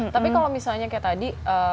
tapi kalau misalnya kayak tadi